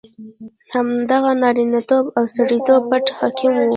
همدغه د نارینتوب او سړیتوب پت حکم وو.